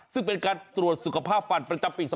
ซึ่งเป็นการตรวจสุขภาพฟันประจำปี๒๕๖